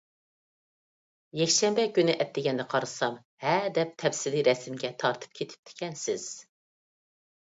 يەكشەنبە كۈنى ئەتىگەندە قارىسام، ھەدەپ تەپسىلىي رەسىمگە تارتىپ كېتىپتىكەنسىز.